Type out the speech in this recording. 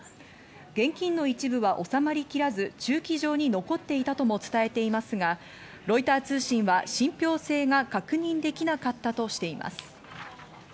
現金の一部は収まりきらず、駐機場に残っていたとも伝えていますが、ロイター通信は信ぴょう性が確認できなかったとしています。